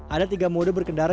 ada tiga mode berkendara